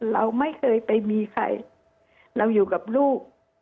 เราไม่เคยไปมีใครเราอยู่กับลูก